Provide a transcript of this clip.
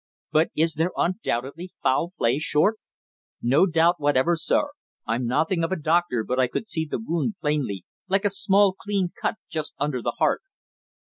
"But is there undoubtedly foul play, Short?" "No doubt whatever, sir. I'm nothing of a doctor, but I could see the wound plainly, like a small clean cut just under the heart."